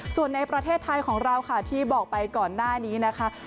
ส่วนในประเทศไทยของเราค่ะที่บอกไปก่อนหน้านี้นะคะ